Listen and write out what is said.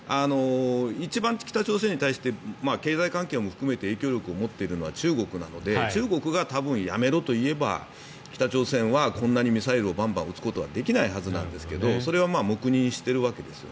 一番、北朝鮮に対して経済関係も含めて影響力を持っているのは中国なので中国が多分やめろと言えば北朝鮮はこんなにミサイルをバンバン撃つことはできないはずなんですがそれは黙認しているわけです。